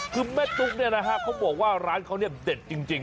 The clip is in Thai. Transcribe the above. คือแม่ตุ๊กเนี่ยนะฮะเขาบอกว่าร้านเขาเนี่ยเด็ดจริง